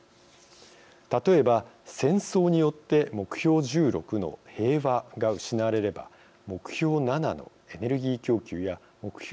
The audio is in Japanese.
例えば、戦争によって目標１６の平和が失われれば目標７のエネルギー供給や目標